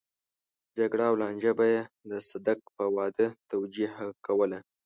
جګړه او لانجه به يې د صدک په واده توجيه کوله.